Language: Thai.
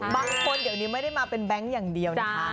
บางคนไม่ได้มาเป็นแบงค์อย่างเดียว